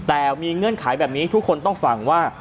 แต่มีเงื่อนไขแบบนี้ทุกคนต้องฟังว่า